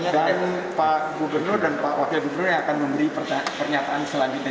dan pak gubernur dan pak wakil gubernur yang akan memberi pernyataan selanjutnya